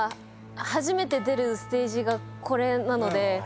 初めて出るステージがこれなので。